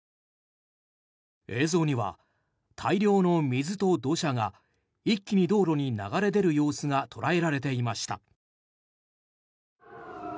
映像には大量の水と土砂が一気に道路に流れ出る様子が捉えられていました。